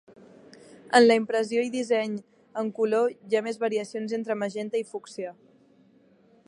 En la impressió i disseny en color, hi ha més variacions entre magenta i fúcsia.